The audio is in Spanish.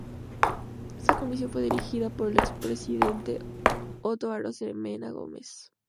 Esta comisión fue dirigida por el expresidente Otto Arosemena Gómez.